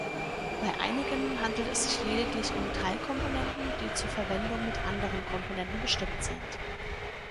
Bei einigen handelt es sich lediglich um Teilkomponenten, die zur Verwendung mit andren Komponenten bestimmt sind.